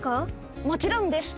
もちろんです。